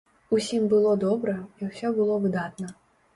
Усім было добра, і ўсё было выдатна.